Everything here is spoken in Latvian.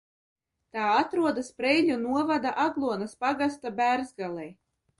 Tā atrodas Preiļu novada Aglonas pagasta Bērzgalē.